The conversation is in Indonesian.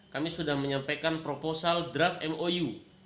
kami sudah menyampaikan proposal draft mou